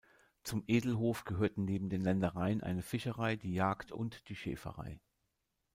Zum Edelhof gehörten neben den Ländereien eine Fischerei, die Jagd und die Schäferei.